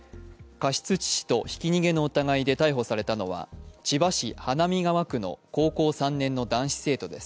過失致死とひき逃げの疑いで逮捕されたのは千葉市花見川区の高校３年の男子生徒です。